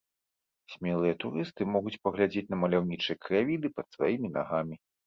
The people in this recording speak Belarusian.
Смелыя турысты могуць паглядзець на маляўнічыя краявіды пад сваімі нагамі.